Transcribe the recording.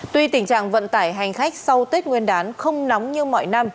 tuy tình trạng vận tải hành khách sau tết nguyên đán không nóng như mọi năm